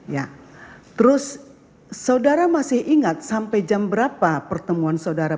ya terus saudara masih ingat sampai jam berapa pertemuan saudara